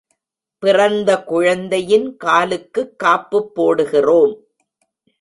பிறந்த குழந்தையின் காலுக்குக் காப்புப் போடுகிறோம்.